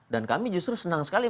kami justru senang sekali